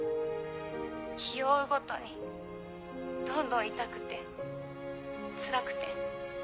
日を追うごとにどんどん痛くてつらくて。